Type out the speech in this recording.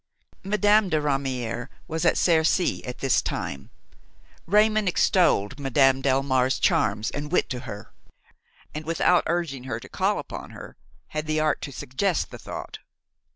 Madame de Ramière was at Cercy at this time: Raymon extolled Madame Delmare's charms and wit to her, and without urging her to call upon her, had the art to suggest the thought.